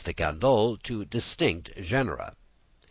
de Candolle, to distinct genera.